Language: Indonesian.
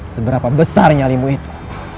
seberapa besarnya limu itu